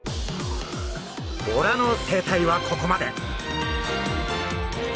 ボラの生態はここまで。